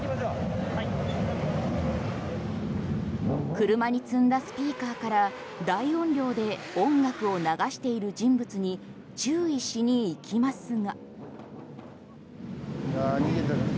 車に積んだスピーカーから大音量で音楽を流している人物に注意しに行きますが。